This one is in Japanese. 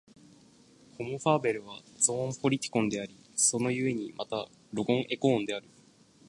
ホモ・ファーベルはゾーン・ポリティコンであり、その故にまたロゴン・エコーンである。